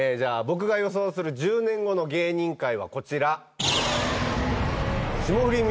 僕が予想する１０年後の芸人界はこちら。